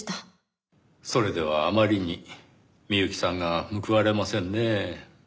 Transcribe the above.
それではあまりに美由紀さんが報われませんねぇ。